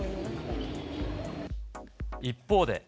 一方で。